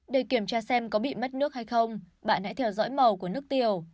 để kiểm tra xem có bị mất nước hay không bạn hãy theo dõi màu của nước tiểu